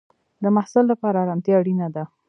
د محصل لپاره ارامتیا اړینه ده.